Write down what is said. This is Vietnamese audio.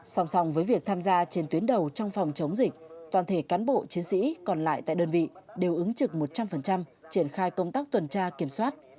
song song với việc tham gia trên tuyến đầu trong phòng chống dịch toàn thể cán bộ chiến sĩ còn lại tại đơn vị đều ứng trực một trăm linh triển khai công tác tuần tra kiểm soát